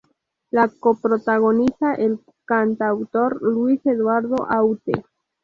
La coprotagoniza el cantautor Luis Eduardo Aute.